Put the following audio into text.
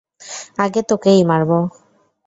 আগে তোকেই মারব।